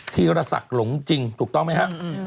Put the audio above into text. ธีรศักดิ์หลงจริงถูกต้องไหมฮะ